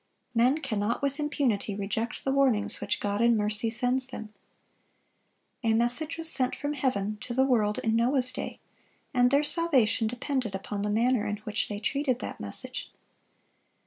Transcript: Men cannot with impunity reject the warnings which God in mercy sends them. A message was sent from heaven to the world in Noah's day, and their salvation depended upon the manner in which they treated that message.